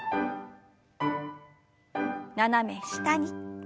斜め下に。